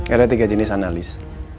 ada tiga jenis analis